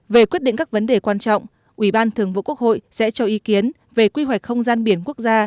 về quyết định các vấn đề quan trọng ủy ban thường vụ quốc hội sẽ cho ý kiến về quy hoạch không gian biển quốc gia